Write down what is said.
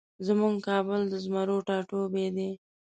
زمونږ کابل د زمرو ټاټوبی دی